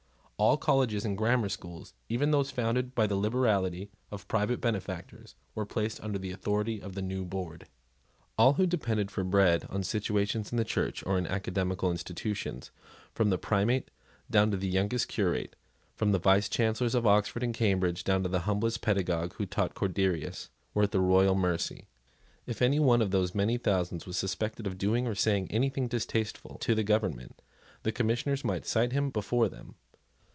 All colleges and grammar schools, even those founded by the liberality of private benefactors, were placed under the authority of the new board. All who depended for bread on situations in the Church or in academical institutions, from the Primate down to the youngest curate, from the Vicechancellors of Oxford and Cambridge down to the humblest pedagogue who taught Corderius, were at the royal mercy. If any one of those many thousands was suspected of doing or saying anything distasteful to the government, the Commissioners might cite him before them.